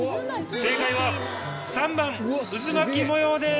正解は３番渦巻き模様です。